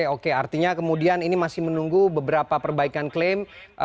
oke artinya kemudian ini masih menunggu beberapa perbaikan klaim